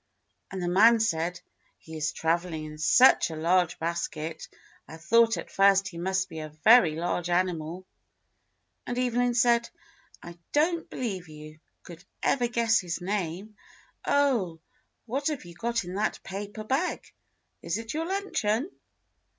And the man said, "He is traveling in such a large basket, I thought at first he must be a very large animal." And Evelyn said: "I don't believe you could ever guess his name. Oh, what have you got in that paper bag.^ Is it your luncheon.?"